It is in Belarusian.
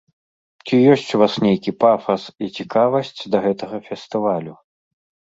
Ці ёсць у вас нейкі пафас і цікавасць да гэтага фестывалю?